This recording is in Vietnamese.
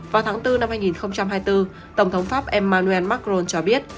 vào tháng bốn năm hai nghìn hai mươi bốn tổng thống pháp emmanuel macron cho biết